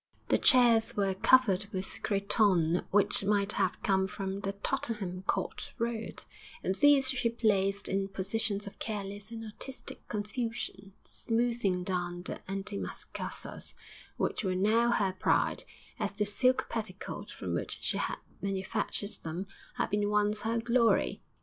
The chairs were covered with cretonne which might have come from the Tottenham Court Road, and these she placed in positions of careless and artistic confusion, smoothing down the antimacassars which were now her pride, as the silk petticoat from which she had manufactured them had been once her glory.